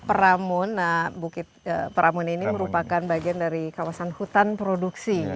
pramun nah bukit pramun ini merupakan bagian dari kawasan hutan produksi